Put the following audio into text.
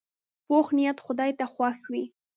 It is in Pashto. پوخ نیت خدای ته خوښ وي